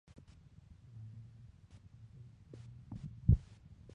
La obra mostraba a san Pedro caminando sobre las aguas.